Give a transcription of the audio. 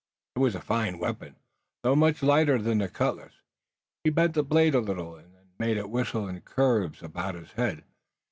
It was a fine weapon, though much lighter than the cutlass. He bent the blade a little, and then made it whistle in curves about his head.